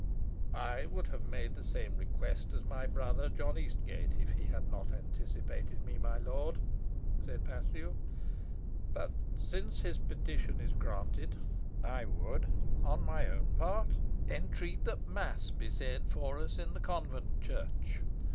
"I would have made the same request as my brother, John Eastgate, if he had not anticipated me, my lord," said Paslew; "but since his petition is granted, I would, on my own part, entreat that mass be said for us in the convent church.